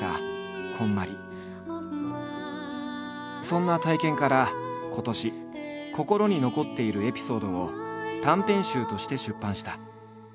そんな体験から今年心に残っているエピソードを短編集として出版した。